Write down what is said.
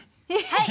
はい。